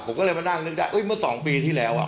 ผมก็เลยมานั่งนึกได้เมื่อ๒ปีที่แล้ว